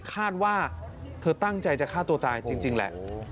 คาดว่าเธอตั้งใจจะฆ่าตัวตายจริงแหละ